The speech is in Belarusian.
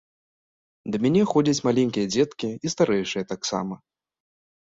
Да мяне ходзяць маленькія дзеткі і старэйшыя таксама.